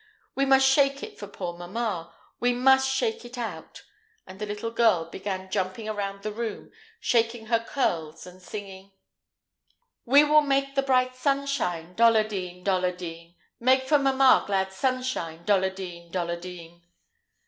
We must shake it out for poor mamma we must shake it out;" and the little girl began jumping around the room, shaking her curls, and singing: "We will make the bright sunshine, Dolladine, Dolladine; Make for mamma glad sunshine, Dolladine, Dolladine."